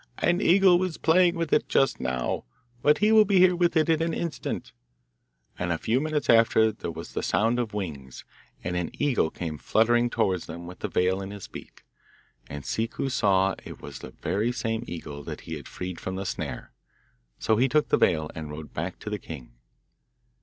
'An eagle is playing with it just now, but he will be here with it in an instant;' and a few minutes after there was a sound of wings, and an eagle came fluttering towards them with the veil in his beak. And Ciccu saw it was the very same eagle that he had freed from the snare. So he took the veil and rode back to the king.